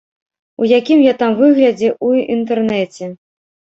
У якім я там выглядзе, у інтэрнэце!